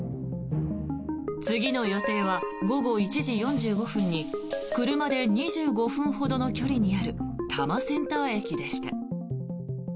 次の予定は午後１時４５分に車で２５分ほどの距離にある多摩センター駅でした。